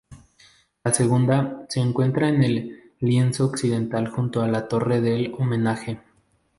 La segunda, se encuentra en el lienzo occidental junto a la Torre del Homenaje.